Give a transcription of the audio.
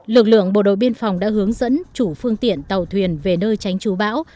lực lượng bộ đội biên phòng đã hướng dẫn chủ phương tiện tàu thuyền về nơi tránh trú bão